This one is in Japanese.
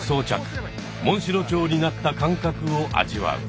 モンシロチョウになった感覚を味わう。